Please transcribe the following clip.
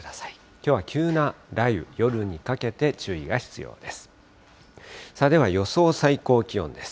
きょうは急な雷雨、夜にかけて注意が必要です。